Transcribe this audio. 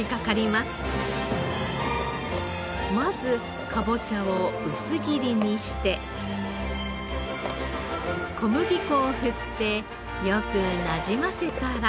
まずかぼちゃを薄切りにして小麦粉を振ってよくなじませたら。